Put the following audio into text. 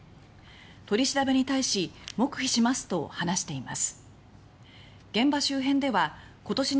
取り調べに対し「黙秘しますと」と話しています